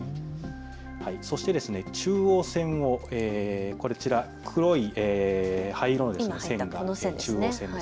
そして中央線を、こちら、黒い灰色の線が中央線です。